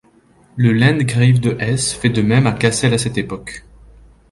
Le Landgrave de Hesse fait de même à Cassel à cette époque.